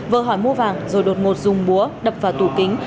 vờ hỏi mua vàng rồi đột ngột dùng búa đập vào tủ kính